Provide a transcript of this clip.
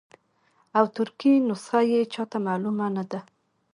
او ترکي نسخه یې چاته معلومه نه ده.